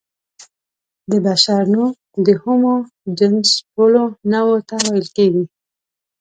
د بشر نوم د هومو جنس ټولو نوعو ته ویل کېږي.